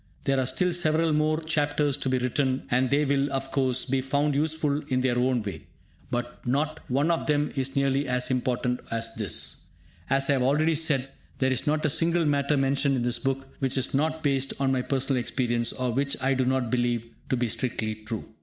There are still several more chapters to be written, and they will, of course, be found useful in their own way. But not one of them is nearly as important as this. As I have already said, there is not a single matter mentioned in this book which is not based on my personal experience, or which I do not believe to be strictly true.